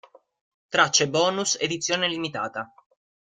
Tracce bonus Edizione limitata